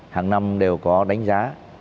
hàng năm đều có đánh giá